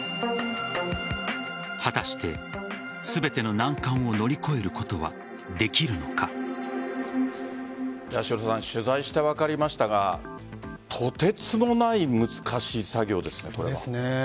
果たして全ての難関を乗り越えることは取材して分かりましたがとてつもない難しい作業ですね。